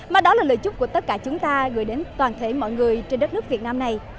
mà đó là lời chúc của tất cả chúng ta gửi đến toàn thể mọi người trên đất nước việt nam này